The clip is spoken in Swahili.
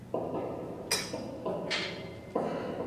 ama mchezo wa kabumbu ambao unaopendwa na